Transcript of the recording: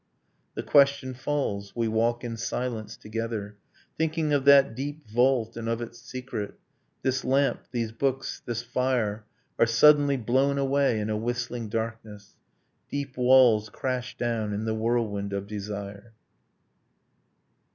..' The question falls: we walk in silence together, Thinking of that deep vault and of its secret ... This lamp, these books, this fire Are suddenly blown away in a whistling darkness. Deep walls crash down in the whirlwind of desire.